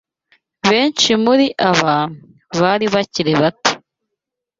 Benshi muri aba bari bakiri bato